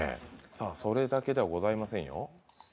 さあそれだけではございませんよ。